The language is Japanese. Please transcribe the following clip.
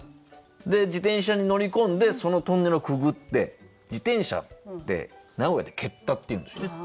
自転車に乗り込んでそのトンネルをくぐって自転車って名古屋で「けった」っていうんですよ。